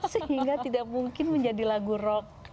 sehingga tidak mungkin menjadi lagu rock